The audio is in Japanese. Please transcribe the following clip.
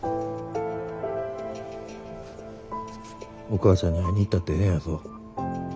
お母ちゃんに会いに行ったってええんやぞ。